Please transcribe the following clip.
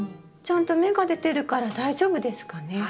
ちゃんと芽が出てるから大丈夫ですかね？